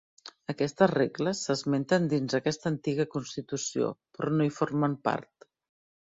Aquestes regles s'esmenten dins aquesta antiga constitució, però no hi formen part.